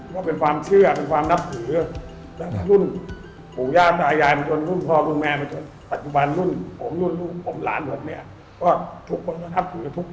ก็ทุกคนก็นับถือทุกสาขาอาชีพ